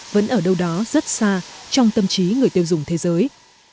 vẫn ở đâu đó rất xa trong tâm trí người tiêu dùng thế giới